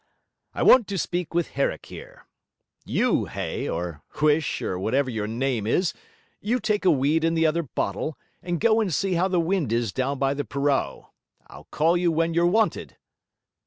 'I want to speak with Herrick here. You, Hay or Huish, or whatever your name is you take a weed and the other bottle, and go and see how the wind is down by the purao. I'll call you when you're wanted!'